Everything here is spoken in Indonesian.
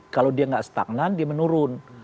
kalau dia nggak stagnan dia menurun